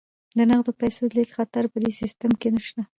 د نغدو پيسو د لیږد خطر په دې سیستم کې نشته.